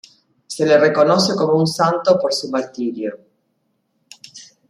Se le reconoce como un santo por su martirio.